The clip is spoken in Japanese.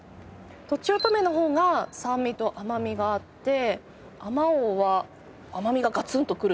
とちおとめの方が酸味と甘みがあってあまおうは甘みがガツンとくるといいますか。